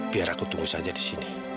biar aku tunggu saja di sini